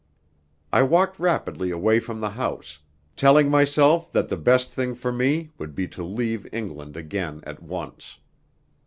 I walked rapidly away from the house, telling myself that the best thing for me would be to leave England again at once.